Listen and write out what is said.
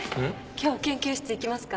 今日研究室行きますか？